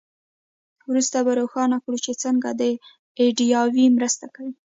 وروسته به روښانه کړو چې څنګه دا ایډیاوې مرسته کوي.